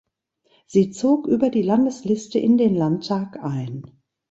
Sie zog über die Landesliste in den Landtag ein.